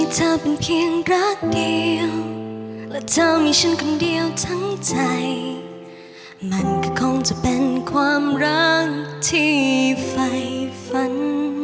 ทั้งใจมันก็คงจะเป็นความรักที่ฝ่ายฝัน